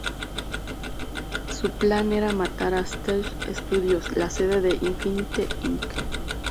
Su plan era matar a Stellar Studios, la sede de Infinity, Inc.